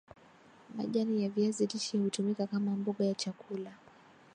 majani ya viazi lishe hutumika kama mboga ya chakula